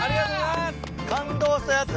感動したやつ！